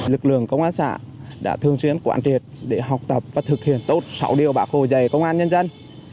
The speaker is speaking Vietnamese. lực lượng công an xã đã thường xuyên quản triệt để học tập và thực hiện tốt sáu điều bảo khổ dày công an nhân dân